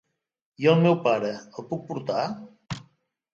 I el meu pare, el puc portar?